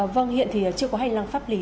vâng hiện thì chưa có hành lăng pháp lý